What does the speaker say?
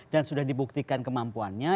dan sudah dibuktikan kemampuannya